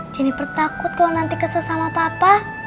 jennifer takut kalau nanti kesel sama papa